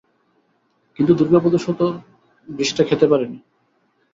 কিন্তু দূর্ভাগ্যবশত বিষটা খেতে পারে নি।